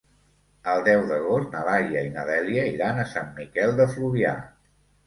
El deu d'agost na Laia i na Dèlia iran a Sant Miquel de Fluvià.